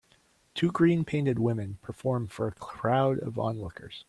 Two green painted women perform for a crowd of onlookers.